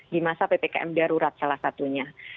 di masa ppkm darurat salah satunya